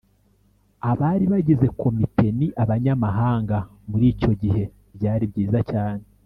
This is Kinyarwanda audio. Abari bagize Komite ni abanyamahanga muri icyo gihe byari byiza cyane